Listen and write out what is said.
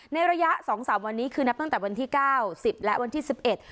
ระยะสองสามวันนี้คือนับตั้งแต่วันที่เก้าสิบและวันที่สิบเอ็ด